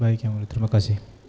baik terima kasih